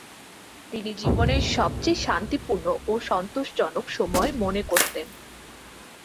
তিনি জীবনের “সবচেয়ে শান্তিপূর্ণ ও সন্তোষজনক সময়” মনে করতেন।